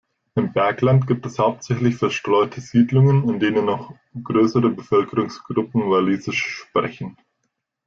Im Bergland gibt es hauptsächlich verstreute Siedlungen, in denen noch größere Bevölkerungsgruppen Walisisch sprechen.